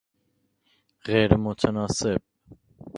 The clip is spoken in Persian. غیرمتناسب